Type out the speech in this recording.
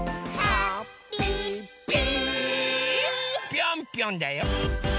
ぴょんぴょんだよ！